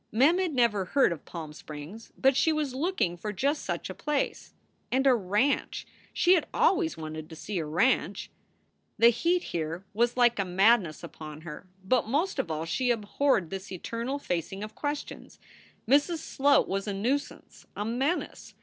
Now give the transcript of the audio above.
Mem had never heard of Palm Springs, but she was look ing for just such a place. And a ranch! She had always wanted to see a ranch. The heat here was like a madness upon her, but most of all she abhorred this eternal facing of questions. Mrs. Sloat was a nuisance, a menace.